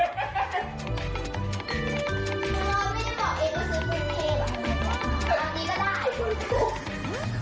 อันนี้ก็ได้